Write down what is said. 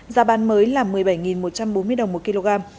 giá bán mới là một mươi bảy một trăm bốn mươi đồng một kg